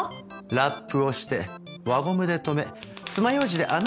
ラップをして輪ゴムで留めつまようじで穴を開けておきます。